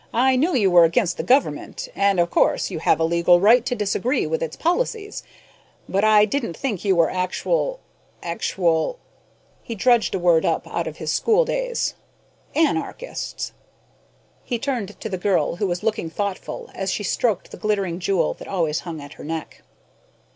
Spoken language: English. "I knew you were against the government, and, of course, you have a legal right to disagree with its policies, but I didn't think you were actual actual " he dredged a word up out of his schooldays "anarchists." He turned to the girl, who was looking thoughtful as she stroked the glittering jewel that always hung at her neck.